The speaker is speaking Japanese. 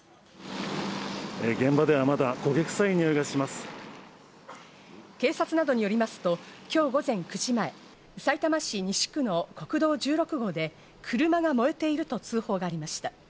現場ではまだ焦げ臭いにおい警察などによりますと今日午前９時前、さいたま市西区の国道１６号で車が燃えていると通報がありました。